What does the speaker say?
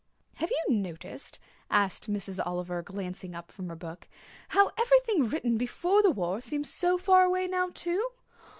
"Have you noticed," asked Miss Oliver, glancing up from her book, "how everything written before the war seems so far away now, too?